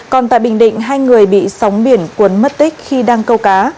còn tại bình định hai người bị sóng biển cuốn mất tích khi đang câu cá